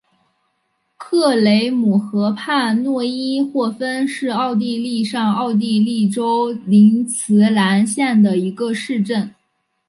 克雷姆河畔诺伊霍芬是奥地利上奥地利州林茨兰县的一个市镇。